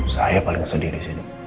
saya paling sedih di sini